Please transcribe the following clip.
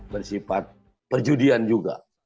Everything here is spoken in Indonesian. bersifat perjudian juga